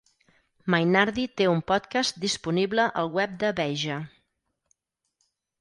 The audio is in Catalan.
Mainardi té un podcast disponible al web de Veja.